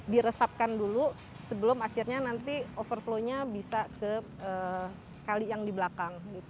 diresapkan dulu sebelum akhirnya nanti overflow nya bisa ke kali yang di belakang